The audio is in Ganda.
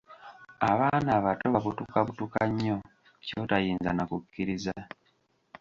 Abaana abato babutukabutuka nnyo kyotayinza nakukkiriza.